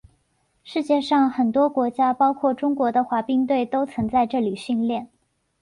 世界上很多国家包括中国的滑冰队都曾在这里训练。